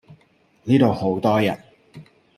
呢度好多人